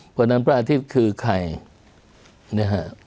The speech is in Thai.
เพราะฉะนั้นพระอาทิตย์คือใครนะฮะ